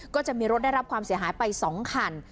ก็จะมีรถได้รับความเสียหายไป๒คัน